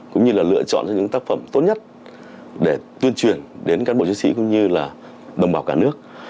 cũng như là lựa chọn ra những tác phẩm tốt nhất để tuyên truyền đến cán bộ chiến sĩ cũng như là đồng bào cả nước